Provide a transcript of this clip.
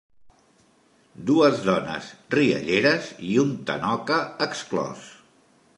Dues dones rialleres i un tanoca exclòs.